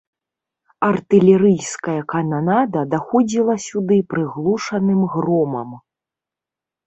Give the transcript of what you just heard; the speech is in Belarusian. Артылерыйская кананада даходзіла сюды прыглушаным громам.